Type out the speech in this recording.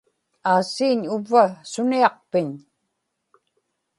aasiiñ uvva suniaqpiñ